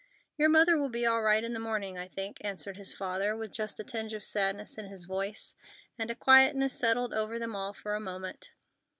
"Your mother will be all right in the morning, I think," answered his father, with just a tinge of sadness in his voice; and a quietness settled over them all for a moment.